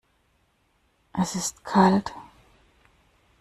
Es ist kalt.